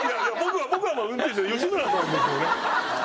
僕は運転手で吉村さんですよね。